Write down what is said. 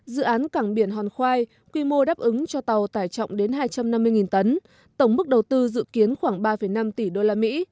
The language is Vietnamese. dự án cảng biển hòn khoai quy mô đáp ứng cho tàu tải trọng đến hai trăm năm mươi tấn tổng mức đầu tư dự kiến khoảng ba năm tỷ đô la mỹ